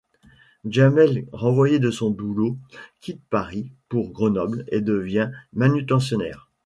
Djamel, renvoyé de son boulot, quitte Paris pour Grenoble et devient manutentionnaire.